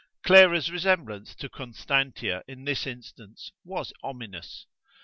Clara's resemblance to Constantia in this instance was ominous.